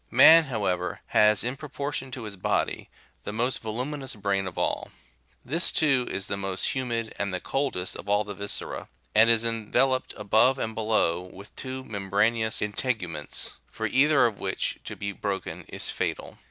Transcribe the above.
Man, however, has, in proportion to his body, the most voluminous brain of all. This, too, is the most humid, and the coldest of all the viscera, and is enve loped above and below with two membranous integuments, for either of which to be broken is fatal.